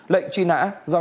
lệnh truy nã đối tượng